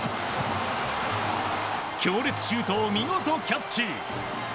強烈シュートを見事キャッチ！